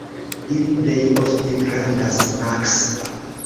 Ili plej ofte grandas maks.